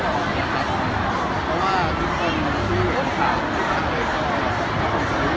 เพราะว่าทุกคนซื้อเวทมะคราวของจังหาก็ไม่มีการซื้อ